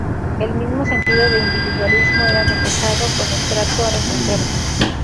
El mismo sentido de individualismo era reflejado con el trato a los enfermos.